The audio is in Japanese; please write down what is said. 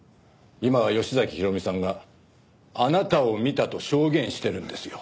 今は吉崎弘美さんがあなたを見たと証言してるんですよ。